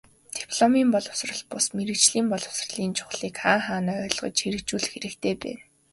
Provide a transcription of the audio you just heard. Дипломын боловсрол бус, мэргэжлийн боловсролыг чухлыг хаа хаанаа ойлгож хэрэгжүүлэх хэрэгтэй байна.